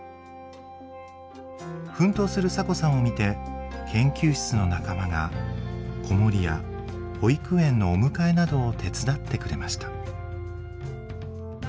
奮闘するサコさんを見て研究室の仲間が子守や保育園のお迎えなどを手伝ってくれました。